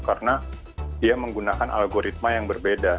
karena dia menggunakan algoritma yang berbeda